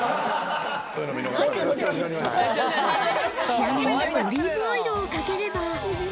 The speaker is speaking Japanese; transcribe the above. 仕上げにオリーブオイルをかければ。